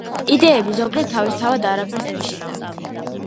იდეეები ზოგჯერ თავისთავად არაფერს ნიშნავენ,